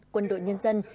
quân đội nhân dân